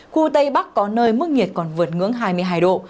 khu tây bắc có nơi mức nhiệt còn vượt ngưỡng hai mươi hai độ